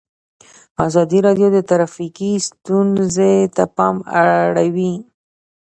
ازادي راډیو د ټرافیکي ستونزې ته پام اړولی.